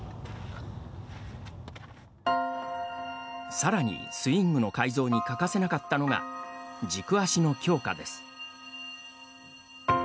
さらにスイングの改造に欠かせなかったのが軸足の強化です。